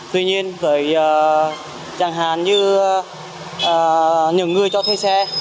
tuy nhiên với chẳng hạn như những người cho thuê xe